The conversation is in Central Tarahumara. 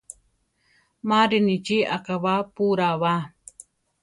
Ma rinichí akabápura ba.